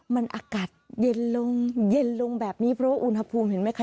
มันอากาศเย็นลงเย็นลงแบบนี้เพราะว่าอุณหภูมิเห็นไหมคะ